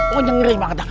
wah ngeri banget dah